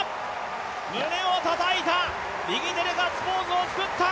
胸をたたいた、右手でガッツポーズを作った！